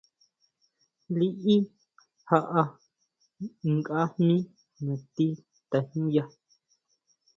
Liʼí jaʼa nkʼa jmí nati tajñúya.